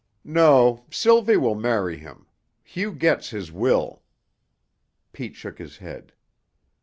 "No. Sylvie will marry him. Hugh gets his will." Pete shook his head.